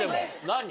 何？